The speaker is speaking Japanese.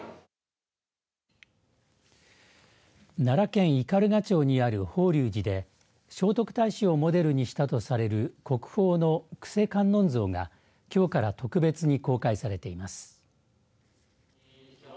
奈良県斑鳩町にある法隆寺で聖徳太子をモデルにしたとされる国宝の救世観音像が、きょうから特別に公開されています。